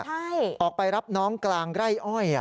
ใช่ออกไปรับน้องกลางไร่อ้อย